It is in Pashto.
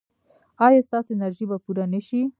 ایا ستاسو انرژي به پوره نه شي؟